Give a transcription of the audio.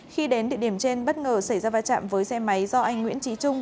khi đến địa điểm trên bất ngờ xảy ra vai trạm với xe máy do anh nguyễn trí trung